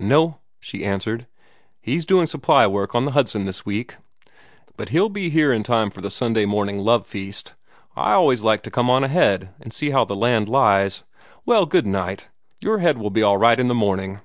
"No," she answered. "He's doing supply down on the Hudson this week, but he'll be here in time for the Sunday morning love feast. I always like to come on ahead, and see how the land lies. Well, good night! Your head will be all right in the morning."